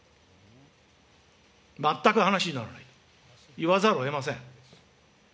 全く話にならない、言わざるをえません。